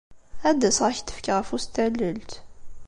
Ad d-asaɣ ad k-d-fkeɣ afus n tallelt.